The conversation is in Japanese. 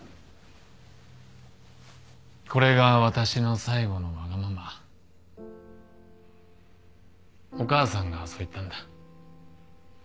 「これが私の最後のわがまま」お母さんがそう言ったんだ。